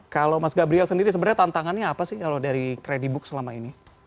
kalau mas gabriel sendiri sebenarnya tantangannya apa sih kalau dari kredibook selama ini